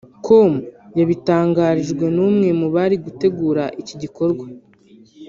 com yabitangarijwe n’umwe mu bari gutegura iki gikorwa